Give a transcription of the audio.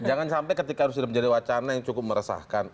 jangan sampai ketika sudah menjadi wacana yang cukup meresahkan